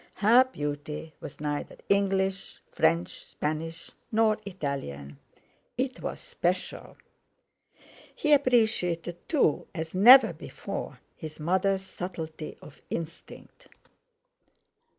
Her beauty was neither English, French, Spanish, nor Italian—it was special! He appreciated, too, as never before, his mother's subtlety of instinct.